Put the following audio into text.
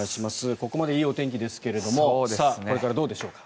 ここまでいいお天気ですけどさあ、これからどうでしょうか。